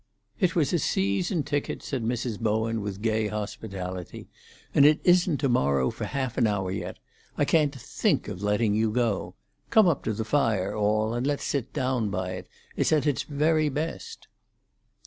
"It was a season ticket," said Mrs. Bowen, with gay hospitality, "and it isn't to morrow for half an hour yet. I can't think of letting you go. Come up to the fire, all, and let's sit down by it. It's at its very best."